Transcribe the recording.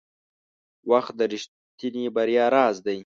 • وخت د رښتیني بریا راز دی.